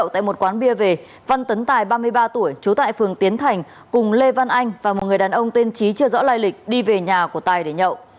tại một quán bia về văn tấn tài ba mươi ba tuổi trú tại phường tiến thành cùng lê văn anh và một người đàn ông tên trí chưa rõ lai lịch đi về nhà của tài để nhậu